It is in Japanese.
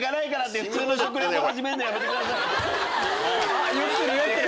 あっ酔ってる酔ってる。